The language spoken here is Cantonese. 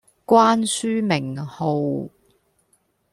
關書名號